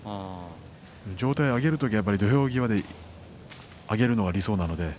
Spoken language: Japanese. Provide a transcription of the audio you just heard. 上体を上げる時は土俵際で上げるのが理想なんでね。